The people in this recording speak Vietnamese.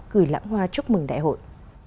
gửi lãng hoa chúc mừng đại hội